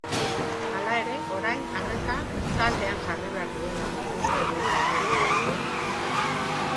Hala ere, orain arreta taldean jarri behar duela uste du aurrelariak.